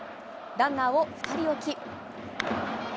ランナーを２人置き。